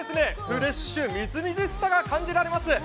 フレッシュ、みずみずしさが感じられます。